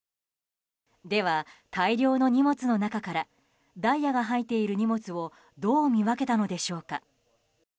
では大量の荷物の中からダイヤが入っている荷物をどう見分けたのでしょうか。